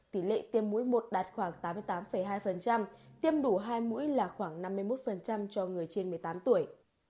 tỷ lệ tiêm mũi một đạt khoảng tám mươi tám hai tiêm đủ hai mũi là khoảng năm mươi một cho người trên một mươi tám tuổi